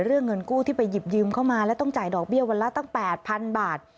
เรื่องเงินกู้ที่ไปหยิบยืมเข้ามาและต้องจ่ายดอกเบี้ยวันละตั้ง๘๐๐๐บาท